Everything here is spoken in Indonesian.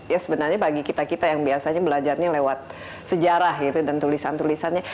ya sebenarnya bagi kita kita yang biasanya belajarnya lewat sejarah gitu dan tulisan tulisannya